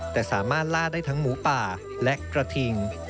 แต่สามารถล่าได้ทั้งหมูป่าและกระทิง